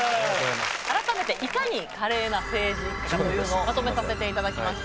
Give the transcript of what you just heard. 改めていかに華麗な政治一家かというのをまとめさせていただきました。